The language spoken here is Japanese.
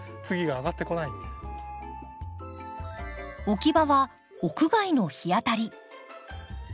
置き場は屋外の日当たり。